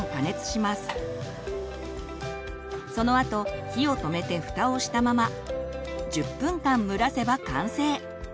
そのあと火を止めてふたをしたまま１０分間蒸らせば完成！